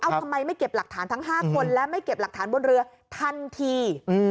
ทำไมไม่เก็บหลักฐานทั้ง๕คนและไม่เก็บหลักฐานบนเรือทันที